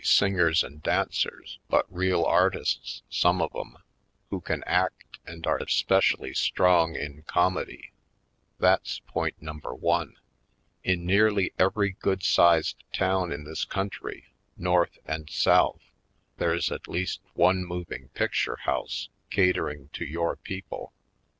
Poindexter^ Colored singers and dancers but real artists, some of 'em, who can act and are especially strong in comedy. That's point number one. In nearly every good sized town in this coun try, North and South, there's at least one moving picture house catering to your people.